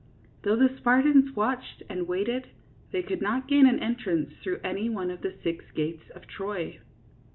Though the Spartans watched and waited, they could not gain an entrance through any one of the six gates of Troy.